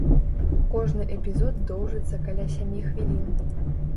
Кожны эпізод доўжыцца каля сямі хвілін.